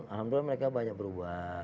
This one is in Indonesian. alhamdulillah mereka banyak berubah